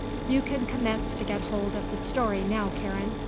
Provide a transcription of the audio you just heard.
"You can commence to get hold of the story now, Karen.